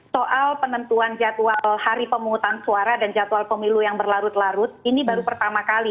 soal penentuan jadwal hari pemungutan suara dan jadwal pemilu yang berlarut larut ini baru pertama kali